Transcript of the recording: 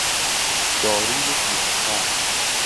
داروی بیاثر